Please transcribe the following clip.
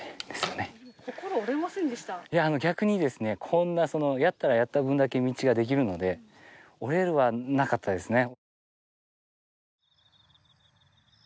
こんなにやったらやった分だけ道ができるので折れるはなかったですね。